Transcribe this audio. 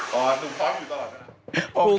อ๋อต้องพร้อมอยู่ตลอดนะ